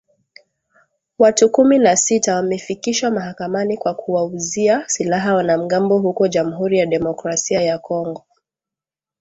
Watu kumi na sita wamefikishwa mahakamani kwa kuwauzia silaha wanamgambo huko Jamuhuri ya Demokrasia ya Kongo